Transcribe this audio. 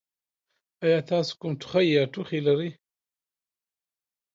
ایا تاسو کوم ټوخی یا ټوخی لرئ؟